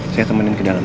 saya temenin ke dalam ya